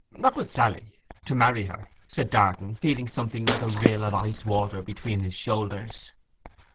'Not with Sally—to marry her?' said Darton, feeling something like a rill of ice water between his shoulders.